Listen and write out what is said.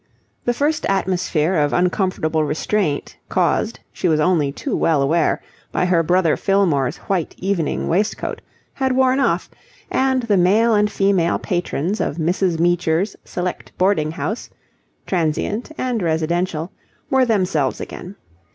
The first atmosphere of uncomfortable restraint, caused, she was only too well aware, by her brother Fillmore's white evening waistcoat, had worn off; and the male and female patrons of Mrs. Meecher's select boarding house (transient and residential) were themselves again.